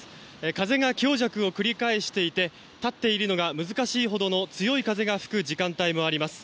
風が強弱を繰り返していて立っているのが難しいほどの強い風が吹く時間帯もあります。